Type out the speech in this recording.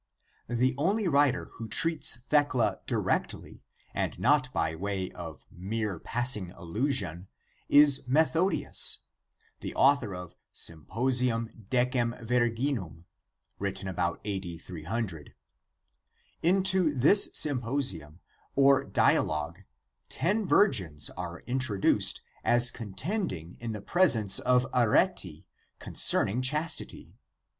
The only writer who treats Thecla directly, and not by way of mere passing allusion, is Methodius, the author of ACTS OF PAUL II Symposium Decent Virginum (written about A. D. 300). Into this Symposium 1 or dialogue ten virgins are introduced as contending in the presence of Arete concerning chastity.